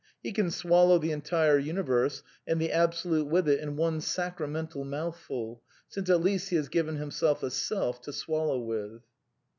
He can swallow the entire Universe, and the Absolute with it, in one sacramental mouthful, since at least he has given himself a " Self " to swallow with.